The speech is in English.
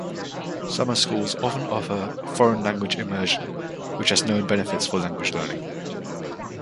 Summer schools often offer foreign language immersion, which has known benefits for language learning.